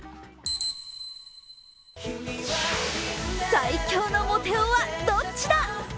最強のモテ男はどっちだ？